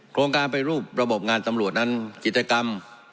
โครงการไปรูประบบงานตำรวจนั้นกิจกรรม